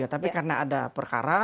tapi karena ada perkara